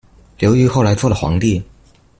刘裕后来做了皇帝。